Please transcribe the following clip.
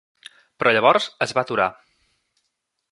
Però llavors es va aturar.